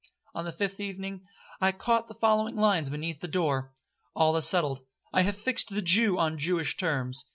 On the fifth evening I caught the following lines beneath the door. 'All is settled—I have fixed the Jew on Jewish terms.